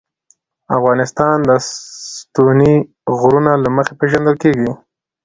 افغانستان د ستوني غرونه له مخې پېژندل کېږي.